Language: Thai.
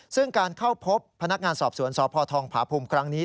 ซึ่งการเข้าพบพนักงานสอบสวนสพทองผาภูมิครั้งนี้